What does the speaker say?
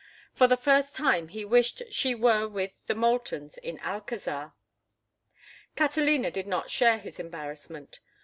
For the first time he wished she were with the Moultons in Alcazar. Catalina did not share his embarrassment.